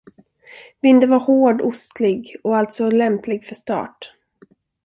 Vinden var hård ostlig och alltså lämplig för start.